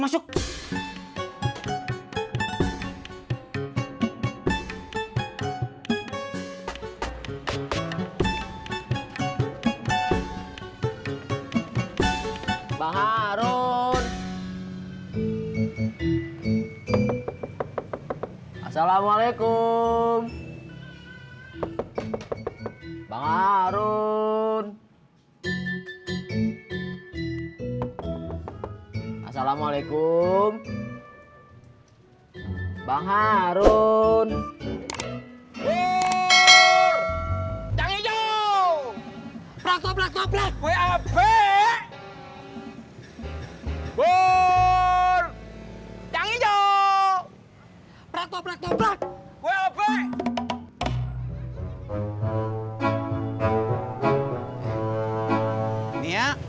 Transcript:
assalamualaikum bang harun assalamualaikum bang harun